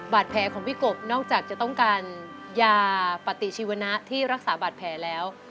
บาดแผลของพี่กบนอกจากจะต้องการยาปฏิชีวนะที่รักษาบาดแผลแล้ว